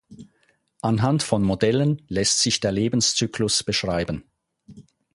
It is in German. Anhand von Modellen lässt sich der Lebenszyklus beschreiben.